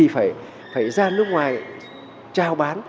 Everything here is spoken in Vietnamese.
phải ra nước ngoài trao bán